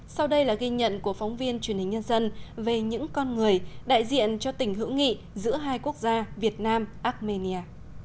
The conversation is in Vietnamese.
sau đây là ghi nhận của phóng viên truyền hình nhân dân về những con người đại diện cho tình hữu nghị giữa hai quốc gia việt nam armenia